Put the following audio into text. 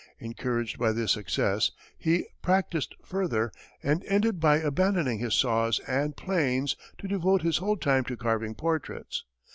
Encouraged by this success, he practised further, and ended by abandoning his saws and planes to devote his whole time to carving portraits.